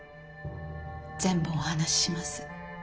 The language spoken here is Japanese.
全部お話しします。